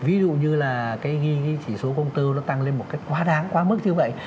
ví dụ như là cái ghi chỉ số công tư nó tăng lên một cái quá đáng quá mức như vậy